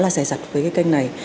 khá là dài dặt với cái kênh này